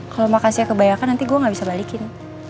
kalau makasihnya kebanyakan nanti gue gak bisa balikin